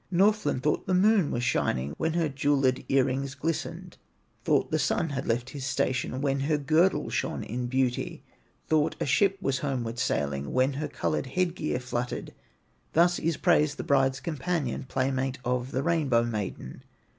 Northland thought the Moon was shining When her jeweled ear rings glistened; Thought the Sun had left his station When her girdle shone in beauty; Thought a ship was homeward sailing When her colored head gear fluttered. Thus is praised the bride's companion, Playmate of the Rainbow maiden.